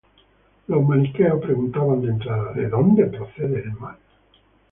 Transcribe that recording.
Los maniqueos preguntaban de entrada: ¿de dónde procede el mal?